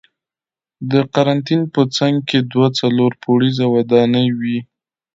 د قرنتین په څنګ کې دوه څلور پوړیزه ودانۍ وې.